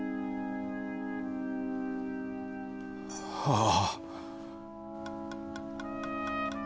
ああ。